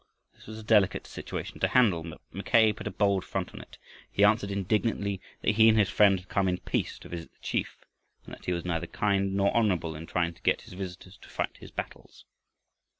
This was a delicate situation to handle, but Mackay put a bold front on it. He answered indignantly that he and his friend had come in peace to visit the chief, and that he was neither kind nor honorable in trying to get his visitors to fight his battles.